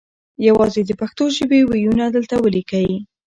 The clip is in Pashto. یوازې د پښتو ژبې وییونه دلته وليکئ